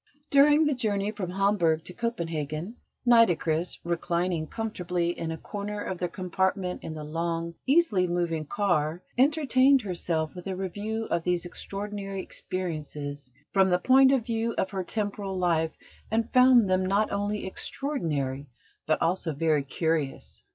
During the journey from Hamburg to Copenhagen, Nitocris, reclining comfortably in a corner of their compartment in the long, easily moving car, entertained herself with a review of these extraordinary experiences from the point of view of her temporal life, and found them not only extraordinary, but also very curious.